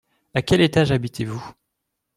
À quel étage habitez-vous ?